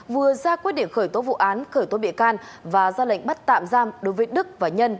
vừa ra quyết định khởi tố vụ án khởi tố bị can và ra lệnh bắt tạm giam đối với đức và nhân